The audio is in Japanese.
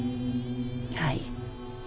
はい。